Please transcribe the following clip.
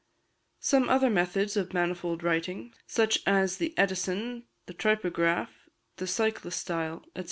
Some other methods of manifold writing, such es the Edison, the Trypograph, the Cyclostyle, &c.